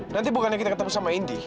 nanti bukannya kita ketemu sama indi